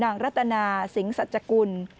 นางรัตนาศิงสัจกุล